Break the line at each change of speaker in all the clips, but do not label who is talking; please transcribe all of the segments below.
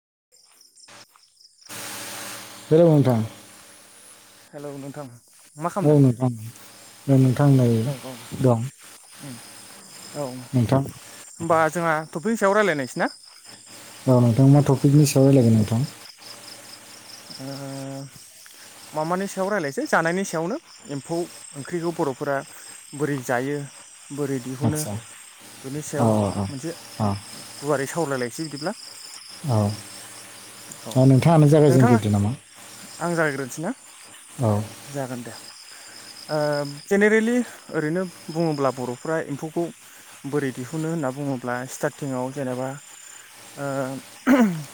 [inaudible]
Hello नोंथां
hello नोंथां मा
औ
खालामदों
नोंथां नोंथां नै
औ औ
दं
औ
नोंथां
होमबा जोंहा टपिकनि सायाव रायलायनायसै ना
औ नोंथां‌ माना टपिकनि सायाव रायज्लायगोन नोंथां
ओ माबानि सायाव रायलायसै जानायनि सायावनो एम्फौ ओंख्रिखौ बरफोरा बोरै जायो? बोरै दिहुनो
आदसा
बेनि
औ
सायाव
औ
मोनसे
औ
गुवारै सावरायलायनोसै -सै बिदिब्ला।
औ।
औ
नोंथाङानो
नोंथाङा
जागायजेनग्रोदो नामा
आं जागायग्रोनोसै ना?
औ
जागोन दे। ओ जेनेरेलि ओरैनो बुङोब्ला बरफ्रा एम्फौखौ बोरै दिहुनो होनना बुङोब्ला स्टारथिंआव जेनेबा ओ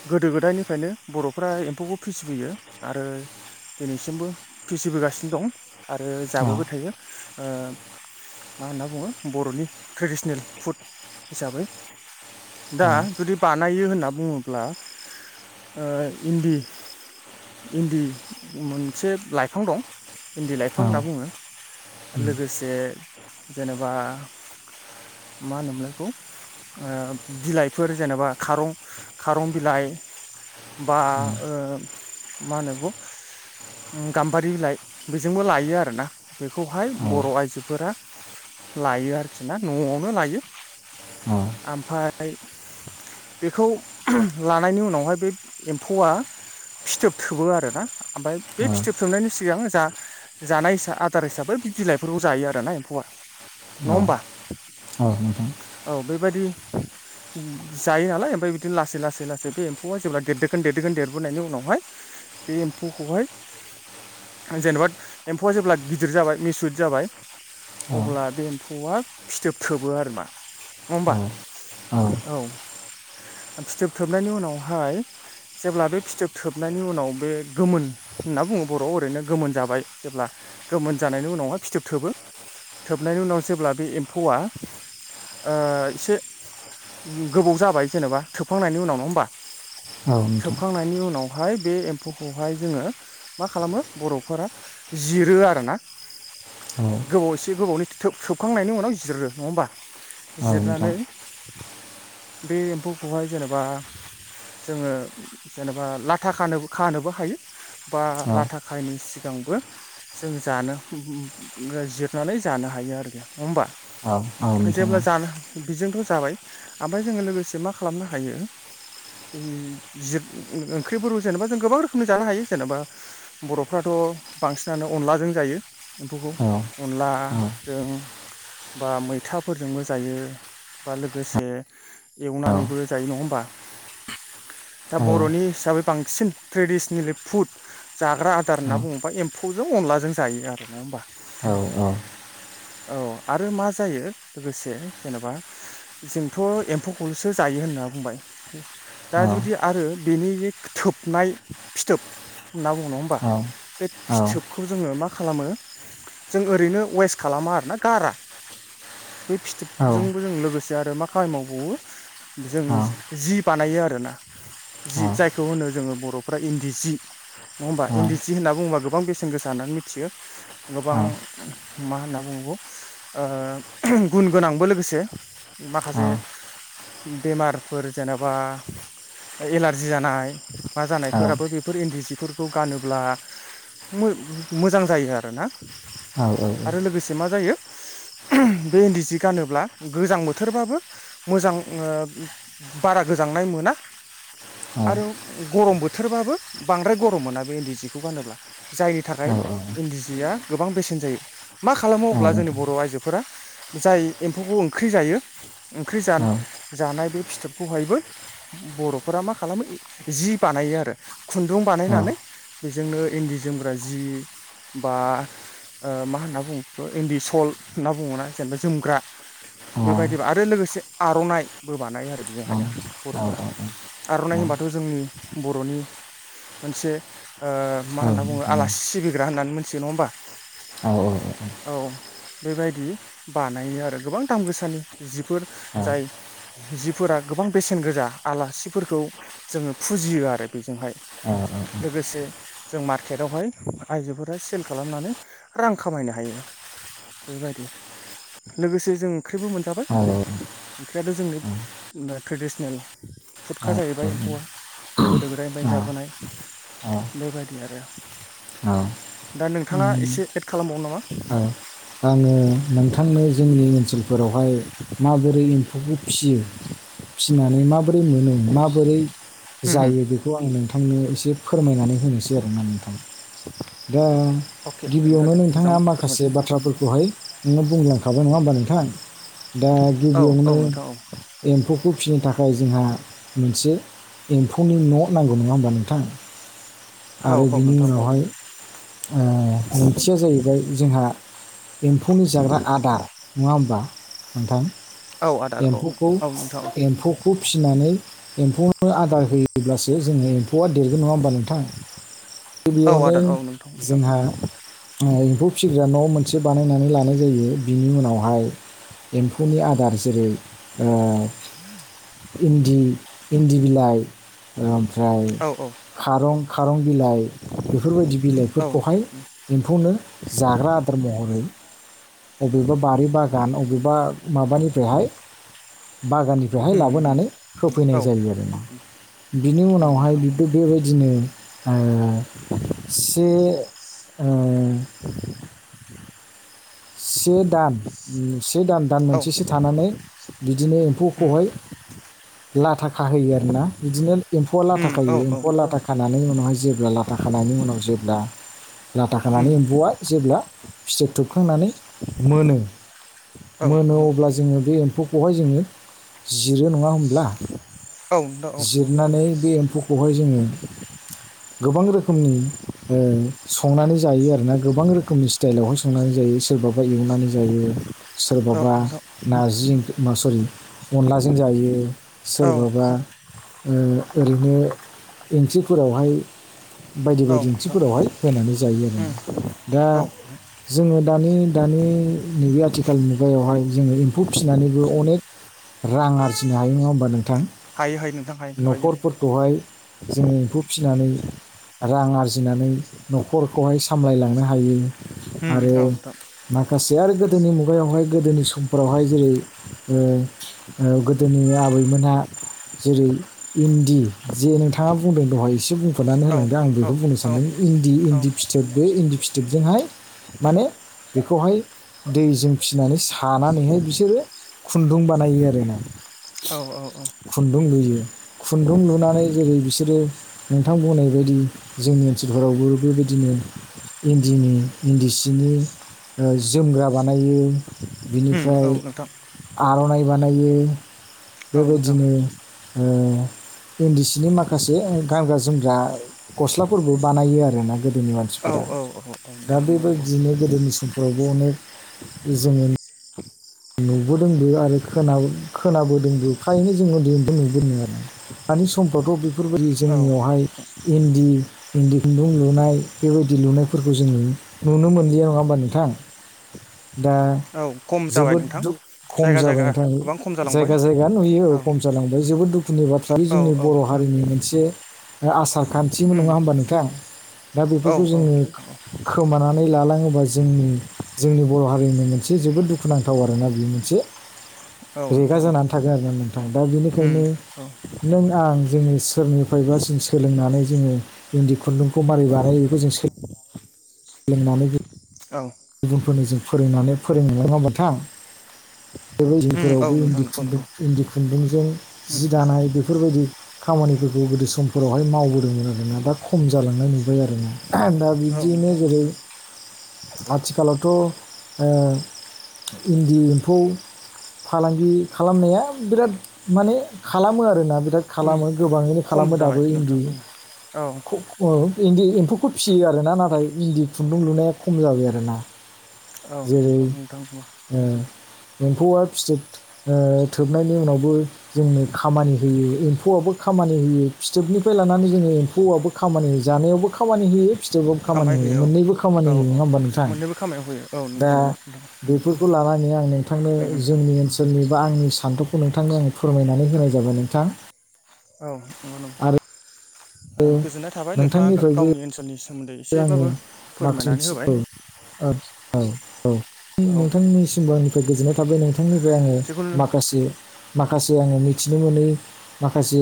गोदो -गोदायनि फ्रायनो बरफ्रा एम्फौखौ फिसिबोयो आरो दिनैसिमबो फिसिबोगासिनो दं आरो
औ
जाबोबाय थायो ओ मा होनना बुङो बरनि ट्रेडिसनेल फुड हिसाबै। दा
औ
जुदि बानायो होनना बुङोब्ला ओ इन्दि इन्दि मोनसे लाइफां दं इन्दि लाइफां
औ
होनना बुङो।
उम,
लोगोसे जेनेबा मा होनो मोनलाय बेखौ? ओ बिलाइफोर जेनेबा खारं खारं बिलाइ बा
औ
ओ मा होनो बेखौ गाम्बारि बिलाइ बेजोंबो लायो आरोना बेखौहाय
औ
बर आइजोफोरा लायो आरोखि ना नआवनो लायो।
औ
ओमफाय बेखौ लानायनि उनावहाय बे एम्फौआ फिथोब थोबो आरोना ओमफाय बे
औ
फिथोब थोबनायनि सिगां जा जानाय आदार हिसाबै बिलाइफोरखौ जायो आरोना एम्फौआ। नङा
औ
होमबा
औ नोंथां
औ बेबायदि जायो नालाय ओमफ्राय बिदिनो लासै-लासै-लासै बे एम्फौआ जेब्ला देरदोखोन- देरदोखोन देरबोनायनि उनावहाय बे एम्फौखौहाय जेनेबा एम्फौआ जेब्ला गिदिर जाबाय मिसुद जाबाय
औ
अब्ला बे एम्फौआ फिथोब थोबो आरोमा। नङा
औ
होमबा? औ फिथोब थोबनायनि उनावहाय जेब्ला बे फिथोब थोबनायनि उनाव बे गोमोन होनना बुङो बर'आव ओरैनो गोमोन जाबाय जेब्ला गोमोन जानायनि उनावह फिथोब थोबो थोबनायनि उनाव जेब्ला बे एम्फौआ ओ एसे गोबाव जाबाय जेनेबा थोबखांनायनि उनाव नङा होमबा?
औ नोंथां
थोबखांनायनि उनाव हाय बे एम्फौखौहाय जोङो मा खालामो बर'फोरा जिरो आरो ना।
औ
गोबाव एसे गोबावनि थो थोब खांनायनि उनाव जिरो नङा होमबा?
औ नोंथां
जिरनानै बे एम्फौखौहाय जेनेबा जोङो जेनेबा लाथा खानो खानोबो हायो बा
औ
लाथा खायिनि सिगांबो जों जानो ङो जिरनानै जानो हायो आरो नड़ा होमबा?
औ औ नोंथां औ
जेब्ला जानो बेजों थ' जाबाय ओमफाय जोङो लोगोसे मा खालामनो हायो जि-जिर ओंख्रिफोरखौ जेनेबा जों गोबां रोखोमनि जानो हायो जेनेबा बर'फ्राथ' बांसिनानो अनलाजों जायो
औ
एम्फौखौ अनलाजों बा मैथाफोरजोंबो जायो। बा लोगोसे एवनानैबो जायो नङा होमबा? दा बर'नि हिसाबै बांसिन ट्रेडिसनेलि फुड जाग्रा आदार होनना
औ
बुङोबा एम्फौजों अनलाजों जायो आरो नङा होमबा?
औ औ।
[inaudible] औ आरो मा जायो लोगोसे जेनेबा जोंथ' एम्फौखौल'सो जायो होनना बुंबाय दा
औ
जुदि आरो बेनि थोबनाय फिथोब होनना बुंङो नंङा
औ
होमबा बे फिथोबखौ जोङो मा खालामो? जों ओरैनो वेस्ट खालामा आरोना गारा बे फिथोबजोंबो
औ
जों लोगोसे आरो मा खामानि मावबावो जों
औ औ
जि बानायो आरोना। जि
औ
जायखौ होनो जोंङो बर'फ्रा इन्दि जि। नङा होमबा
औ नोंथां औ नोंथां औ
इन्दि जि होनना बुंङोबा गोबां बेसेन गोसा होननानै मिथियो गोबां मा होनना बुङो [unintelligible] ओ गुन गोनांबो लोगोसे माखासे बेमारफोर जेनबा एलारजि जानाय मा जानायफोराबो बेफोर इन्दि जिफोरखौ गानोब्ला मो मोजां जायो आरोना आरो लोगोसे मा जायो
[inaudible]
बे इन्दि जि गानोब्ला गोजां बोथोरबाबो मोजां ओ बारा गोजांनाय मो ना आरो गरम बोथोरबाबो बांद्राय गरम मोना बे इन्दि जिखौ गानोब्ला जायनि थाखाय इन्दि जिया गोबां बेसेन जायो मा खालामो अब्ला जोंनि बर' आइजोफोरा जाय एम्फौ खौ ओंख्रि जायो ओंख्रि जा जानाय बे फिथोबखौहायबो बर'फोरा मा खालामो जि बानायो आरो खुन्दुं बानायनानै बेजोंनो इन्दि जोमग्रा जि बा ओ मा होनना बुङो इन्दि सल होनना बुंङोना जेनेबा जोमग्रा बेबायदिबा आरो लोगोसे आर'नायबो बानायो आरो बेजोंहायनो बर'फोरा। आर'नाइ होनबाथ' जोंनि बर'नि मोनसे ओ मा होनना बुङो आलासि सिबिग्रा होननानै मोनथियो नङा होमबा औ बेबायदि बानायो आरो गोबां दाम गोसानि जिफोर जाय जिफोरा गोबां बेसेन गोजा आलासिफोरखौ जोंङो फुजियो आरो बेजोंहाय।
औ औ
लोगोसे जों मार्केटावहाय आयजोफोरा सेल खालामनानै रां खामायनो हायो। बेबायदि
[unintelligible]
लोगोसे जों ओंख्रिबो मोनजाबाय ओंख्रियाथ' जोंनि ट्रेडिसनेल फुदखा जाहैबाय एम्फौआ गोदो गोदायनिफ्राय जाबोनाय बेबायदि आरो दा नोंथांङा एसे एड खालामबावो नामा?
आङो नोंथांनो जोंनि ओनसोलफोरावहाय माबोरै [inaudible] फिसियो फिनानै मा माबोरै मोनो माबोरै
होम होम
जायो बेखौ आं नोंथांनो एसे फोरमायनानै होनोसै आरोना नोंथां दा
अके अके नोंथां
गिबियावनो
दे मोजां
नोंथांङा माखासे
फोरमायलाय
बाथ्राफोरखौ खौहाय नोंङो बुंलांखाबाय नङा होमबा नोंथां दा
औ औ
गिबियावनो
नोंथां औ
एम्फौखौ फिनो थाखाय जोंहा मोनसे एम्फौनि न' नांगौ नंङा होमबा नोंथां?
औ
आरो बिनि
नोंथां औ
उनावहाय ओ नैथिया जाहैबाय जोंहा एम्फौनि जाग्रा आदार नंङा होमबा नोंथां?
औ आदार औ
एम्फौखौ
औ नोंथां औ
एम्फौखौ फिनानै [inaudible] आदार होयोब्लासो जोंङो एम्फौआ देरगोन नंङा होमबा नोंथाङा?
औ
गिबियावनो
आदार औ नोंथां नोंथां
जोंहा एम्फौ फिग्रा न' मोन बानायनानै लानाय जायो बिनि उनावहाय एम्फौनि आदार जेरै ओ इन्दि इन्दि बिलाइ उम [inaudible]
औ औ
खारं-खारं बिलाइ बेफोरबायदि
औ
बिलाइफोरखौहाय
नोंथां
एम्फौनो जाग्रा आदार महरै अबेबा बारि बागान अबेबा माबानिफ्रायहाय बागाननिफ्रायहाय लाबोनानै
औ
होफैनाय जायो आरो ना। बिनि उनावहाय
नोंथां औ नोंथां
बिबो बेबायदिनो ओ से ओ से दान से दान दान
औ
मोनसेसो थानानै बिदिनो एम्फौखौहाय लाथा खाहोयो आरोना बिदिनो एम्फौआ लाथा
नोंथां
खायो
औ नोंथां औ
एम्फौ लाथा खानानै उनावहाय जेब्ला लाथा खानायनि उनाव जेब्ला लाथा खानानै एम्फौआ जेब्ला फिथोब थुबखांनानै मोनो मोनो अब्ला जोङो बे एम्फौखौहाय जोङो जिरो। नङा होमब्ला?
औ नोंथां औ।
जिरनानै बे एम्फौखौहाय जोङो गोबां रोखोमनि ओ संनानै जायो आरोना गोबां रोखोमनि स्टाइलावहाय संनानै जायो। सोरबाबा एवनानै जायो सोरबाबा नारजि ओं मा सरि अनलाजों जायो सोरबाबा ओ ओरैनो इंख्रिफोरावहाय बायदि बायदि ओंख्रिफोरावहाय होनानै जायो आरो दा जोङो दानि दानि नैबे आथिखाल मुगायावहाय जोङो एम्फौ फिसिनानैबो अनेक रां आरजिनो हायो नङा होनोमबा नों -थां
हायो हायो नोंथां हायो हायो
न'खरफोरखौहाय जोङो एम्फौ फिनानै रां आरजिनानै न'खरखौहाय सामलायलांनो हायो।
होम
आरो
औथ'
माखासे आरो गोदोनि मुगायावहाय गोदोनि समफोरावहाय जेरै ओ ओ गोदोनि आबैमोनहा जेरै इन्दि जे नोंथाङा बुंदों दहाय एसे बुं खुनानै
औ
होलांदों। आं
औ
बेखौ बुंनो
औ
सानदों इन्दि इन्दि फिथोब बे इन्दि फिथोबजोंहाय माने बेखौहाय दैजों फिसिनानै सानानैहाय बिसोरो खुन्दुं बानायो आरो ना।
औ
खुन्दुं लुयो खुन्दुं लुनानै जेरै बिसोरो नोंथां बुंनाय बायदि जोंनि ओनसोलफोरावबो बेबायदिनो इन्दिनि इन्दि सिनि ओ जोमग्रा बानायो बिनिफ्राय
औ नोंथां
आर'नाइ बानायो।
औ नोंथां।
बेबायदिनो ओ इन्दि सिनि माखासे गानग्रा-जोमग्रा गस्लाफोरबो बानायो आरो ना गोदोनि
औ
मानसिफोरा।
औ औ
दा
नोंथां नंगौ नंगौ
बेबायदिनो गोदोनि फोरावबो अनेक जोङो नुबोदोंबो आरो खोना खोनाबोदोंबो ओंखायनो जों उन्दैनिफ्राय नुदों आरो। दानि समफ्रावथ' बेफोरबायदि
औ
जोंनियावहाय इन्दि इन्दि खुन्दुं लुनाय बेबायदि लुनायफोरखौ जों नुनो मोनलिया नङा होमबा नोंथां?
[inaudible]
दा
औ खम जाबाय
जोबोद
नोंथां
दुख खम
जायगा
जाबाय
जायगा
नोंथां
गोबां खम जालांबाय
जायगा जायगा नुयो औ खम जालांबाय जोबोद दुखुनि बाथ्रा। बे
औ
जोंनि
औ
बर' हारिनि मोनसे आसार खान्थिमोन
उम
नङा होमबा नोंथां? दा
औ
बेफोरखौ
औ
जोङो
नोंथां
खोमानानै लालाङो होनोबा जों जोंनि बर' हारिनि मोनसे जोबोद दुखुनांथाव आरोना बे मोनसे।
औ औ
रेगा
नोंथां औ
जानानै थागोन आरो ना नोंथां। दा
उम
बेनिखायनो
औ
नों आं जोंनि सोरनिफ्रायबा जों सोलोंनानै जोङो इन्दि खुन्दुंखौ मारै बानायो बेखौ जों सोलों नानै हो
औ
गुबुनफोरनो जों फोरोंनानै फोरोंनो नंङा ओमबा नोंथां? बे
उम औ
बायदिफोरावबो
नोंथां
इन्दि
नंगौ
खुन्दुं
नंगौ
इन्दि खुन्दुंजों
उम
जि दानाय बेफोरबायदि खामानिफोरखौ गोदो समफोरावहाय मावबोदोंमोन आरोना दा खम जालांनाय नुबाय आरोना। दा
औ
बिब्दियैनो
नोंथां
जेरै- आथिखालावथ' ओ इन्दि एम्फौ फालांगि खालामनाया बिराद माने खालामो आरोना। दा
उम
खालामो गोबाङैनो
खम
खालामो दाबो
जाबाय नोंथां
इन्दि
उम औ
खुन्दुं ओ इन्दि एम्फौखौ फिसियो आरो ना नाथाय इन्दि खुन्दुं लुनाया खम जाबाय आरो ना।
औ नोंगौ नोंथां नोंगौ।
एम्फौआ फिथोब ओ थोबनायनि उनावबो जोंनो खामानि होयो एम्फौआबो खामानि होयो फिथोबनिफ्राय लानानै जोङो एम्फौआबो खामानि होयो जानायावबो खामानि होयो। फिथोबाव खामानि होयो मोननैबो
औ
खामानि होयो
औ
नङा होमबा नोंथां।
मोननैबो खामायाव होयो औ
दा
नंगौ नंगौ नोंथां
बेफोरखौ लानानै आं नोंथांनो
उम
जोंनि ओनसोलनि बा आंनि सान्थौखौ नोंथांनो आं फोरमायनानै होनाय जाबाय नोंथां।
औ नंगौ नंगौ
आरो
गोजोननाय थाबाय नोंथाङा
नोंथांनिफ्रायबो
गावनि ओनसोलनि सोमोन्दै
आङो
एसेबाबो फोरमायनानै
माखासे
होबाय
ओ औ औ
औ
नोंथांनिसिमबो आंनिफ्राय गोजोननाय थाबाय नोंथां। नोंथांनिफ्राय आङो
जिखुनु
माखासे माखासे आङो मिथिनो मोनै माखासे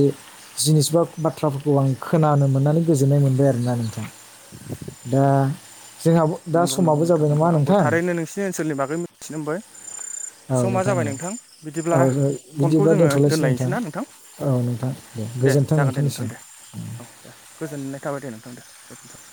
जिनिस बा बाथ्राफोरखौ आं खोनानो मोन नानै गोजोननाय मोनबाय आरोना नोंथां। दा जोंहा दा
नंगौ नंगौ
समाबो
नोंथां
जाबाय
नंगौ
नामा
आंबो
नोंथां
थारैनो नोंसिनि ओनसोलनि बागै मिथिनो मोनबाय।
औ
समा जाबाय
औ
नोंथां बिदिब्ला
औ
फनखौ
बिदिबा
जोङो
दोनथ'लायसै
दोनलायनोसै ना नोंथां?
औ नोंथां
दे
गोजोन्थों
जागोन दे नोंथां
नोंथांनिसिम
दे औ दे गोजोननाय थाबाय दे नों थां गोजोन्थों।